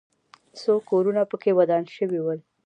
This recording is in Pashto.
څو کورونه پکې ودان شوي ول.